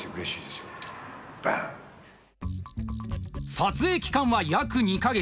撮影期間は約２か月。